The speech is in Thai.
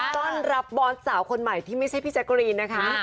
ต้อนรับบอสสาวคนใหม่ที่ไม่ใช่พี่แจ๊กกะรีนนะคะ